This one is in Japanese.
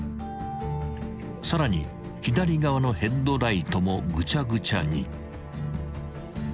［さらに左側のヘッドライトもぐちゃぐちゃに］